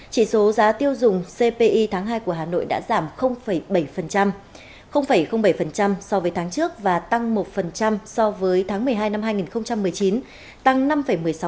chỉ số giá tiêu dùng cpi tháng hai của hà nội đã giảm bảy so với tháng trước và tăng một so với tháng một mươi hai năm hai nghìn một mươi chín